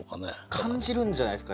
感じるんじゃないすか？